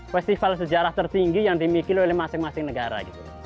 festival sejarah tertinggi yang dimiliki oleh masing masing negara